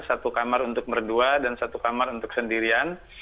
satu kamar untuk berdua dan satu kamar untuk sendirian